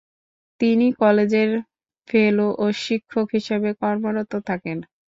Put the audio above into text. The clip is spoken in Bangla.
তিনি কলেজের ফেলো ও শিক্ষক হিসেবে কর্মরত থাকেন।